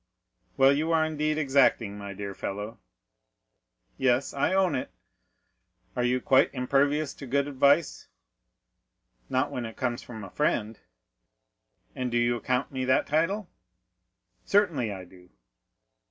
"Well, you are indeed exacting, my dear fellow!" "Yes, I own it." "Are you quite impervious to good advice?" "Not when it comes from a friend." "And do you account me that title?" "Certainly I do."